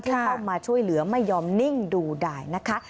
เข้ามาช่วยเหลือไม่ยอมนิ่งดูดายนะคะ